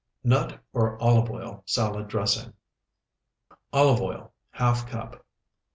NUT OR OLIVE OIL SALAD DRESSING Olive oil, ½ cup.